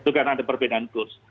itu karena ada perbedaan kurs